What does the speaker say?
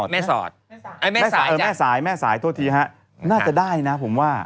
แม่สอดแม่สายแม่สายโทษทีฮะน่าจะได้นะผมว่า